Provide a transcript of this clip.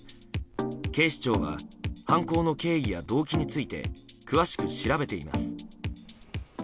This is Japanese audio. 警視庁は犯行の経緯や動機について詳しく調べています。